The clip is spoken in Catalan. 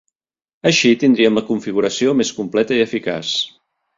Així tindríem la configuració més completa i eficaç.